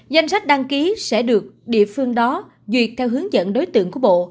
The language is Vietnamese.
danh sách đăng ký sẽ được địa phương đó duyệt theo hướng dẫn đối tượng của bộ